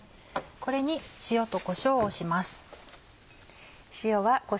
これに塩とこしょうをします。